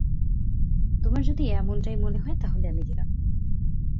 তোমার যদি এমনটাই মনে হয় তাহলে আমি গেলাম।